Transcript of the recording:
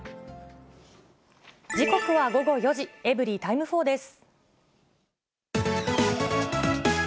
時刻は午後４時、エブリィタイム４です。